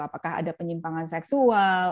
apakah ada penyimpangan seksual